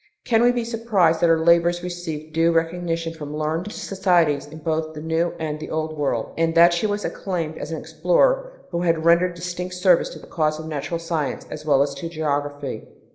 Can we be surprised that her labors received due recognition from learned societies in both the New and the Old World, and that she was acclaimed as an explorer who had rendered distinct service to the cause of natural science, as well as to geography?